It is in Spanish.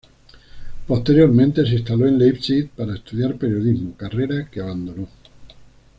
Posteriormente se instaló en Leipzig para estudiar periodismo, carrera que abandonó.